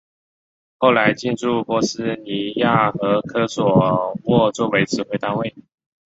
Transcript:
后来进驻波斯尼亚和科索沃作为指挥单位。